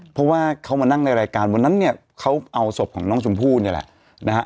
เพราะว่าเขามานั่งในรายการวันนั้นเนี่ยเขาเอาศพของน้องชมพู่เนี่ยแหละนะฮะ